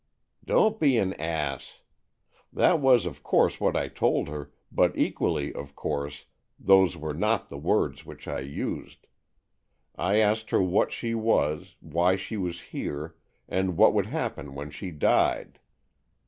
"Don't be an ass! That was, of course, what I told her, but equally, of course, those were not the words which I used. I asked her what she was, why she was here, and what would happen when she died.